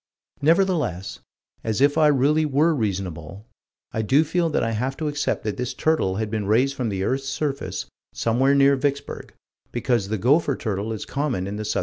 Nevertheless as if I really were reasonable I do feel that I have to accept that this turtle had been raised from this earth's surface, somewhere near Vicksburg because the gopher turtle is common in the southern states.